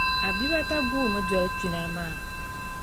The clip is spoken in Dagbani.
Abibata guumi n-doli kpina maa.